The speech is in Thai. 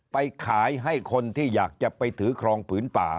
ไปขายให้คนที่อยากจะไปถือครองผืนป่า